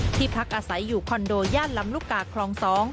พักอาศัยอยู่คอนโดย่านลำลูกกาคลอง๒